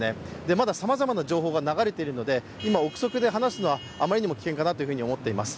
まださまざまな情報が流れているので今、臆測で話すのはあまりにも危険かなと思っています。